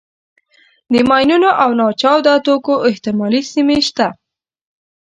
د ماینونو او ناچاودو توکو احتمالي سیمې شته.